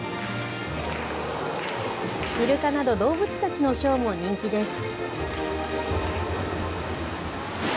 イルカなど動物たちのショーも人気です。